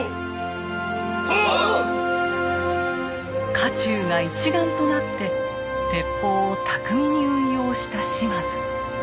家中が一丸となって鉄砲を巧みに運用した島津。